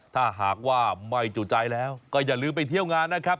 ถ้าหากว่าไม่จู่ใจแล้วก็อย่าลืมไปเที่ยวงานนะครับ